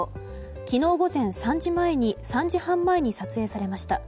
昨日午前３時半前に撮影されました。